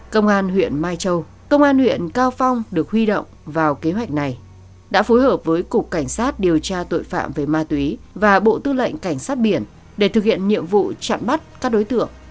cảm ơn các quý vị đã theo dõi